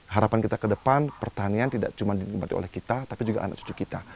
harapan kita ke depan pertanian tidak cuma dihidupkan oleh kita tapi juga anak cucu kita